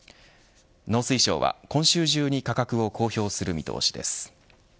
農水省は今週中に価格を公表する見通しです。